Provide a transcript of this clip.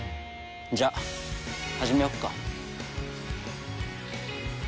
じゃ始めよっか。